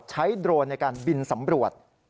โดรนในการบินสำรวจ